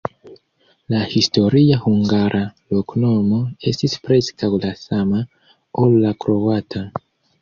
La historia hungara loknomo estis preskaŭ la sama, ol la kroata.